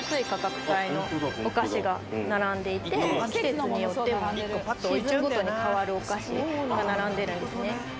ホントだホントだお菓子が並んでいて季節によってもシーズンごとに変わるお菓子が並んでるんですね